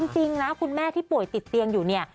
จริงนะคุณแม่ที่ป่วยติดเตียงอยู่เนี่ย